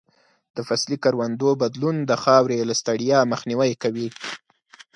د فصلي کروندو بدلون د خاورې له ستړیا مخنیوی کوي.